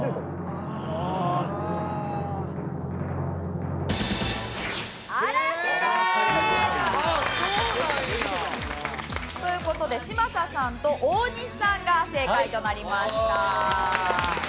そうなんや！という事で嶋佐さんと大西さんが正解となりました。